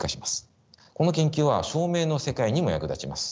この研究は照明の世界にも役立ちます。